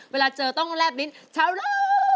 เวลาเจอต้องแลบมิ้นชาวนา